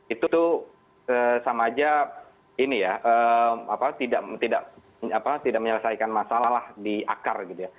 itu sama saja tidak menyelesaikan masalah di akar gitu ya